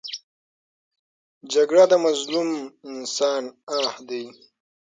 جګړه د مظلوم انسان آه دی